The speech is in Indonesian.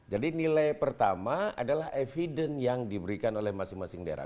nilai pertama adalah evidence yang diberikan oleh masing masing daerah